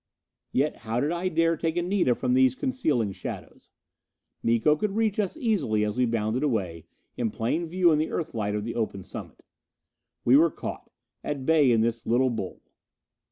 Yet how did I dare take Anita from these concealing shadows? Miko could reach us so easily as we bounded away, in plain view in the Earthlight of the open summit! We were caught, at bay in this little bowl.